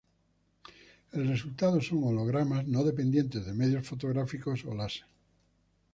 El resultado son hologramas no dependientes de medios fotográficos o láser.